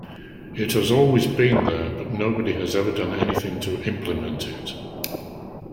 It has always been there, but nobody has ever done anything to implement it.